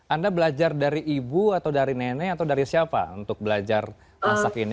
anda belajar dari ibu atau dari nenek atau dari siapa untuk belajar masak ini